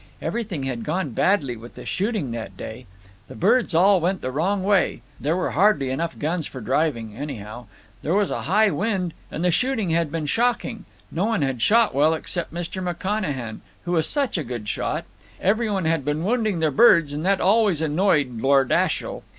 Everything had gone badly with the shooting that day; the birds all went the wrong way; there were hardly enough guns for driving, anyhow; there was a high wind, and the shooting had been shocking; no one had shot well except Mr. McConachan, who is such a good shot; every one had been wounding their birds, and that always annoyed Lord Ashiel.